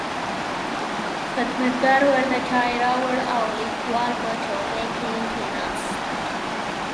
خدمتګار ورته چای راوړ او لیکوال په چوکۍ کې کښېناست.